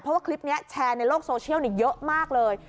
เพราะว่าคลิปนี้แชร์ในโลกโซเชียลเยอะมากเลย